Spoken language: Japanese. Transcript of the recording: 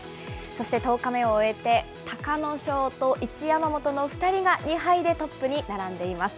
そして１０日目を終えて、隆の勝と一山本の２人が２敗でトップに並んでいます。